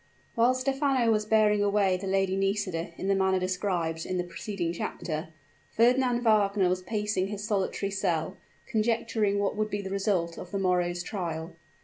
While Stephano was bearing away the Lady Nisida in the manner described in the preceding chapter, Fernand Wagner was pacing his solitary cell, conjecturing what would be the result of the morrow's trial.